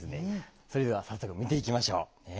それでは早速見ていきましょう。ね。